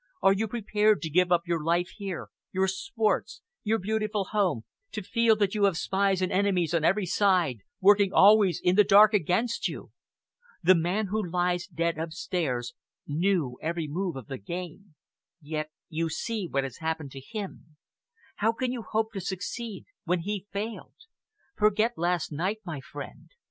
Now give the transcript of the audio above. "Are you prepared to give up your life here, your sports, your beautiful home, to feel that you have spies and enemies on every side, working always in the dark against you? The man who lies dead upstairs knew every move of the game yet you see what has happened to him. How can you hope to succeed when he failed? Forget last night, my friend!